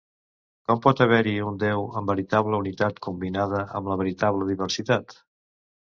Com pot haver-hi un Déu amb veritable unitat combinada amb la veritable diversitat?